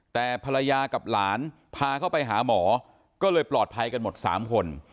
แต่ภรรยากับหลานพาเข้าไปหาหมอก็เลยปลอดภัยกันหมด๓คน